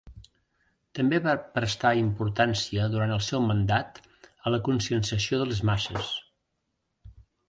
També va prestar importància durant el seu mandat a la conscienciació de les masses.